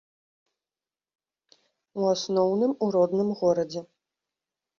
У асноўным, у родным горадзе.